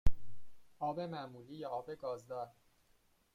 آب معمولی یا آب گازدار؟